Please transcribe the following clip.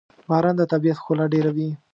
باران د طبیعت ښکلا ډېروي.